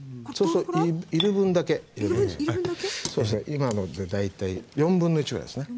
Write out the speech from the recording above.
今ので大体1/4ぐらいですね。